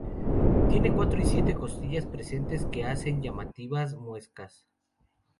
Tiene cuatro y siete costillas presentes que hacen llamativas muescas.